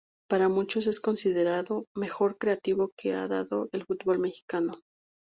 Para muchos es considerado el mejor medio creativo que ha dado el fútbol mexicano.